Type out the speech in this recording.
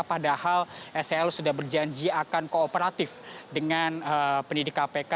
padahal sel sudah berjanji akan kooperatif dengan pendidik kpk